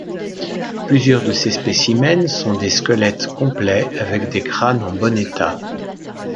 Plusieurs de ces spécimens sont des squelettes complets, avec des crânes en bon état.